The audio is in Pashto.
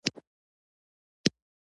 ځغاسته د ژوند یوه برخه ده